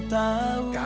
terima kasih a'a